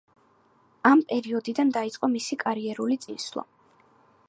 ამ პერიოდიდან დაიწყო მისი კარიერული წინსვლა.